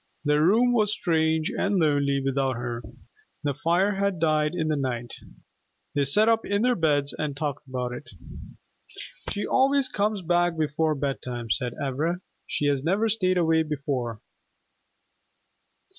The room was strange and lonely without her. The fire had died in the night. They sat up in their beds and talked about it. "She always comes back before bedtime," said Ivra. "She has never stayed away before."